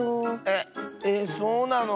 えっえそうなの？